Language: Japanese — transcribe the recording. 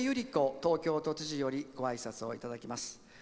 東京都知事よりごあいさつをいただきます。